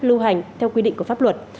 lưu hành theo quy định của pháp luật